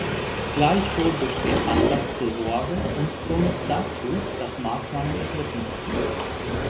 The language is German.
Gleichwohl besteht Anlass zur Sorge und somit dazu, dass Maßnahmen ergriffen werden.